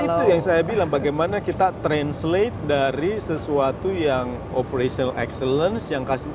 itu yang saya bilang bagaimana kita translate dari sesuatu yang operational excellence